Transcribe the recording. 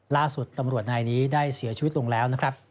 ล่าสุดตำรวจนายนี้ได้เสียชีวิตลงแล้วนะครับ